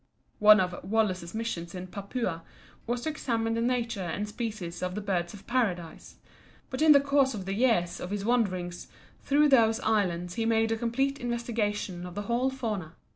One of Wallace's missions in Papua was to examine the nature and species of the Birds of Paradise; but in the course of the years of his wanderings through those islands he made a complete investigation of the whole fauna.